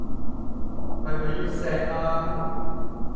係咪要錫啊？